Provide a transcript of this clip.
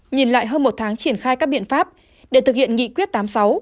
nhìn lại hơn một tháng triển khai các biện pháp để thực hiện nghị quyết tám mươi sáu